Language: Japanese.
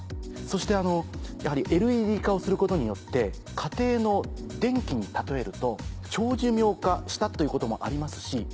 そしてやはりＬＥＤ化をすることによって家庭の電気に例えると長寿命化したということもありますし